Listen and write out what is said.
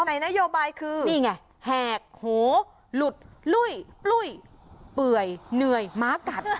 ไหนนโยบายคือนี่ไงแหกโหหลุดลุ้ยปลุ้ยเปื่อยเหนื่อยม้ากัด